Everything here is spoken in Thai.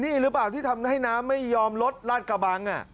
นี่หรือเปล่าที่ทำให้น้ำไม่ยอมลดลาดกระบัง